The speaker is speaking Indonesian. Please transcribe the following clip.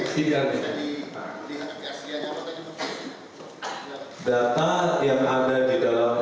data yang ada di dalam flash disk tidak bisa dipastikan